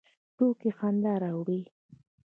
ټوکې خندا راوړي